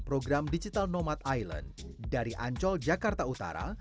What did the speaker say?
program digital nomad island dari ancol jakarta utara